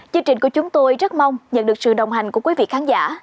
chương trình của chúng tôi rất mong nhận được sự đồng hành của quý vị khán giả